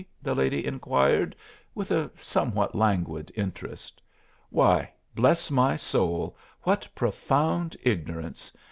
the lady inquired with a somewhat languid interest. "Why, bless my soul, what profound ignorance!